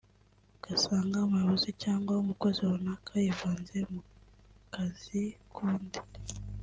ugasanga umuyobozi cyangwa umukozi runaka yivanze mu kazi k’undi